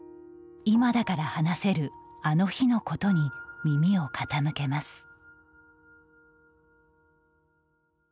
今だから話せる「あの日」のことに耳を傾けます。